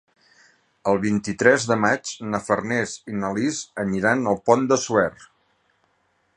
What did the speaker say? El vint-i-tres de maig na Farners i na Lis aniran al Pont de Suert.